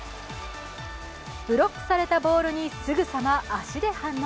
ブロックされたボールにすぐさま足で反応。